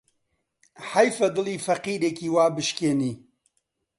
حەیفە دڵی فەقیرێکی وا بشکێنی